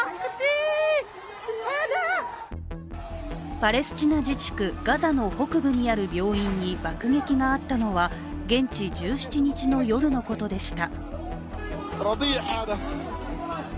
パレスチナ自治区・ガザの北部にある病院に爆撃があったのは現地１７日夜のことでした。